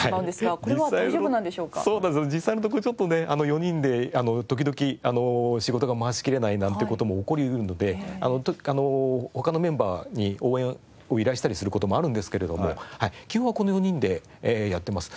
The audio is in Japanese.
実際のとこちょっとね４人で時々仕事が回しきれないなんて事も起こりうるので他のメンバーに応援を依頼したりする事もあるんですけれども基本はこの４人でやってます。